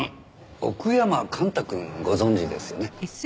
奥山幹太くんご存じですよね？